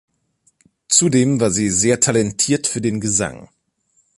Zudem war sie sehr talentiert für den Gesang.